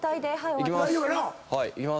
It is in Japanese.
いきます。